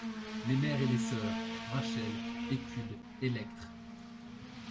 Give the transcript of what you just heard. Les mères et-les sœurs, Rachel, Hécube, Électre ;